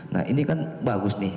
nah ini kan bagus nih